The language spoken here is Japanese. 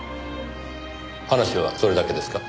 話はそれだけですか？